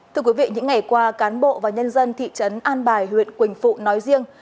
thưa quý vị những ngày qua cán bộ và nhân dân thị trấn an bài huyện quỳnh phụ nói riêng